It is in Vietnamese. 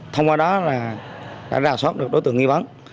thông qua đó là đã rào soát được đối tượng nghi vấn